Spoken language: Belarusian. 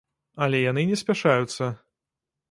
Але яны не спяшаюцца.